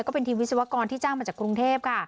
ก็เป็นทีมวิศวกรที่จ้างมาจากกรุงเทพค่ะ